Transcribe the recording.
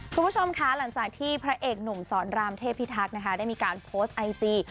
คุณผู้ชมคะหลังจากที่พระเอกหนุ่มสอนรามเทพิทักษ์นะคะได้มีการโพสต์ไอจี